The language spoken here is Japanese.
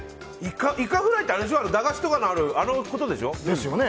イカフライって駄菓子とかにあるあのことでしょ？